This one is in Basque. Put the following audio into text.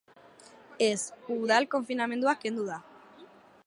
Ez, udal-konfinamendua kendu da.